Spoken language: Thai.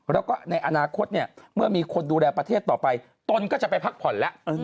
แล้วก็ในอนาคตเนี่ยเมื่อมีคนดูแลประเทศต่อไปตนก็จะไปพักผ่อนแล้ว